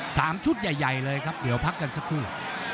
ชุดใหญ่ใหญ่เลยครับเดี๋ยวพักกันสักครู่